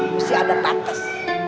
mesti ada patas